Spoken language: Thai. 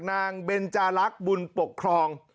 เบนจารักษ์บุญปกครอง